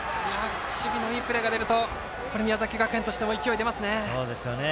守備のいいプレーが出ると宮崎学園としても勢いが出ますね。